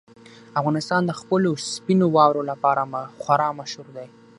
افغانستان د خپلو سپینو واورو لپاره خورا مشهور دی.